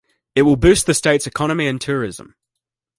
It will boost the state's economy and tourism.